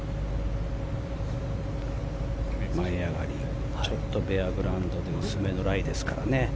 前上がりちょっとベアグラウンドで薄めのライですからね。